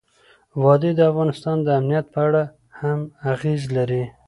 وادي د افغانستان د امنیت په اړه هم اغېز لري.